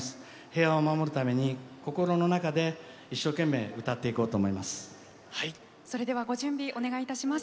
平和を守るために心の中で一生懸命歌っていこうと思います。